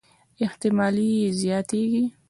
احتمالي یې زياتېږي.